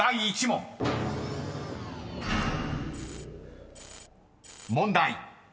［問題］